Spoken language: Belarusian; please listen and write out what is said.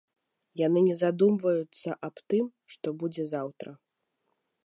Яны не задумваюцца аб тым, што будзе заўтра.